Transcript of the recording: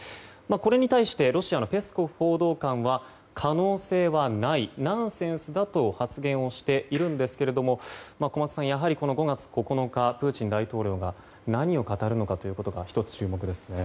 これに対してロシアのペスコフ報道官は可能性はない、ナンセンスだと発言をしていますが小松さん、５月９日プーチン大統領が何を語るのか１つ注目ですね。